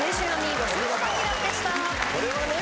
これはね。